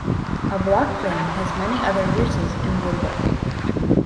A block plane has many other uses in woodworking.